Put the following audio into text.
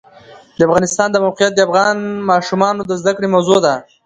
د افغانستان د موقعیت د افغان ماشومانو د زده کړې موضوع ده.